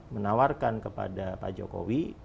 menawarkan kepada pak jokowi